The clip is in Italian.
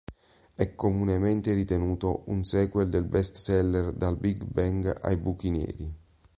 È comunemente ritenuto un sequel del bestseller "Dal big bang ai buchi neri.